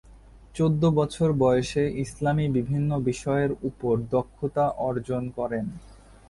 চৌদ্দ বছর বয়সে ইসলামি বিভিন্ন বিষয়ের উপর দক্ষতা অর্জন করেন।